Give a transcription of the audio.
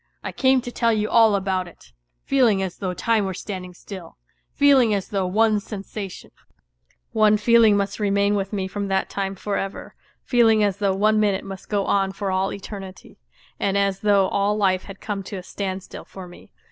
I came to tell you all about it, feeling as though time were standing still, feeling as though one sensation, one feeling must remain with me from that time for ever ; feeling as though one minute must go on for all eternity, and as though all life had come to a standstill for me.